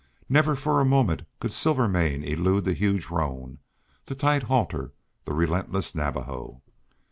Never for a moment could Silvermane elude the huge roan, the tight halter, the relentless Navajo.